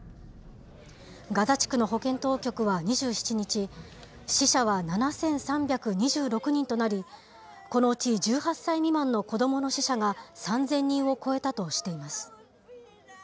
ガザ地区の保健当局は２７日、死者は７３２６人となり、このうち１８歳未満の子どもの死者が３０００人を超えたとしています。